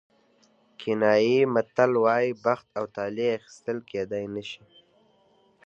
کینیايي متل وایي بخت او طالع اخیستل کېدای نه شي.